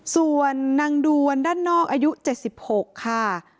ส่วนนางดวนด้านนอกอายุ๗๖ค่ะ